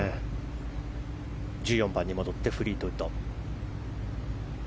１４番に戻ってフリートウッド。